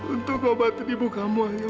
untuk obat teribu kamu ayah